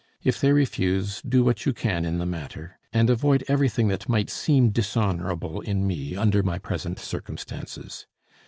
If they refuse, do what you can in the matter, and avoid everything that might seem dishonorable in me under my present circumstances.